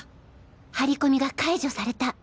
張り込みが解除された。